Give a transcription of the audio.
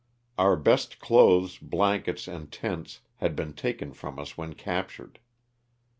Our best clothes, blankets and tents had been taken from us when captured.